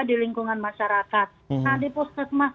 di lingkungan masyarakat nah di puskesmas